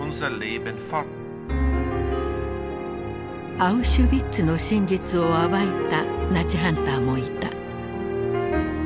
アウシュビッツの真実を暴いたナチハンターもいた。